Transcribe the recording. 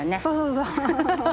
そうそうそうそう。